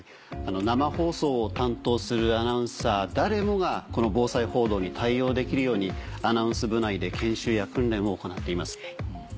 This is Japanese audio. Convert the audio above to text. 生放送を担当するアナウンサー誰もが防災報道に対応できるようにアナウンス部内で研修や訓練を行っています。